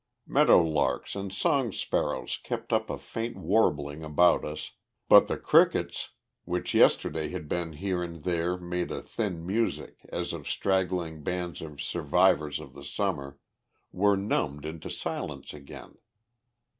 Meadow larks and song sparrows kept up a faint warbling about us, but the crickets, which yesterday had here and there made a thin music, as of straggling bands of survivors of the Summer, were numbed into silence again.